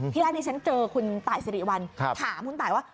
ที่แรกที่ฉันเจอคุณตายสิริวัลถามคุณตายว่า